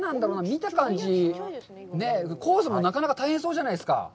見た感じ、コースもなかなか大変そうじゃないですか。